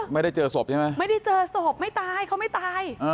ไม่ได้เจอศพใช่ไหมไม่ได้เจอศพไม่ตายเขาไม่ตาย